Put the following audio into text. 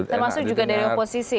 termasuk juga dari oposisi